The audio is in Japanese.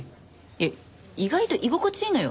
いや意外と居心地いいのよ